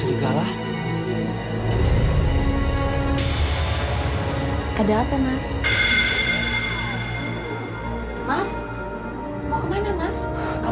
langsung lah lalu berp teens yang memutuskar